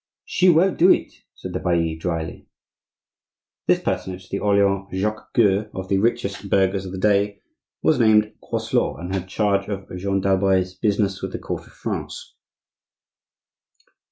"She will do it!" said the bailli, dryly. This personage, the Orleans Jacques Coeur, one of the richest burghers of the day, was named Groslot, and had charge of Jeanne d'Albret's business with the court of France.